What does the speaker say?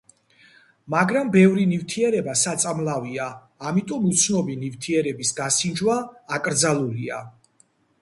მაგრამ ბევრი ნივთიერება საწამლავია, ამიტომ უცნობი ნივთიერების გასინჯვა აკრძალულია.